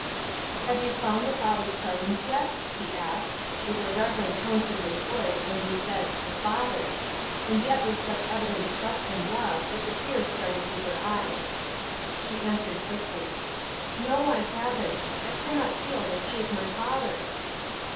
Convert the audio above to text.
"Have you found the Father's presence yet?" he asked, with a reverent tone to his voice when he said "the Father," and yet with such evident trust and love that the tears started to her eyes. She answered quickly: "No, I haven't. I cannot feel that he is my Father."